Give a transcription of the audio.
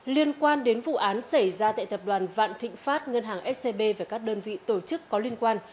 liên quan đến vụ án xảy ra tại tập đoàn vạn thịnh pháp ngân hàng scb và các đơn vị tổ chức có liên quan